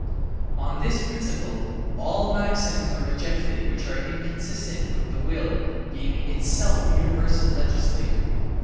On this principle all maxims are rejected which are inconsistent with the will being itself universal legislator.